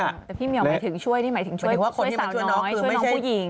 แต่พี่เหมียวหมายถึงช่วยนี่หมายถึงช่วยสาวน้อยช่วยน้องผู้หญิง